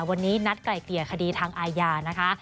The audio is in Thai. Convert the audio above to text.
วันนี้นัดไกลเกลี่ยคดีทางอาญานะคะ